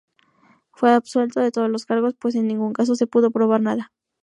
Fue absuelto de todos los cargos, pues en ningún caso se pudo probar nada.